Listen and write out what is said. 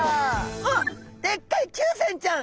あっでっかいキュウセンちゃん。